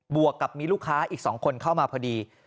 วกกับมีลูกค้าอีก๒คนเข้ามาพอดี